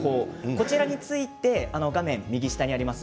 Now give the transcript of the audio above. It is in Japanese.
こちらについて画面右下にあります